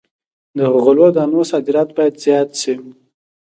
د غلو دانو صادرات باید زیات شي.